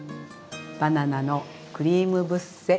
バナナのクリームブッセ。